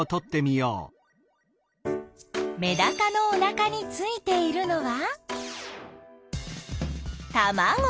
メダカのおなかについているのはたまご！